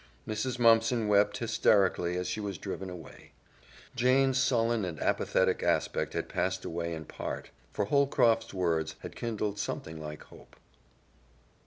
Mrs. Mumpson wept hysterically as she was driven away. Jane's sullen and apathetic aspect had passed away in part for Holcroft's words had kindled something like hope.